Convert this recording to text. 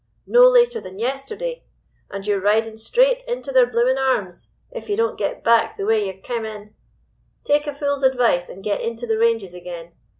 "'No later than yesterday. And you're ridin' straight into their bloomin' arms, if yer don't get back the way yer kem' in. Take a fool's advice, and get into the ranges again.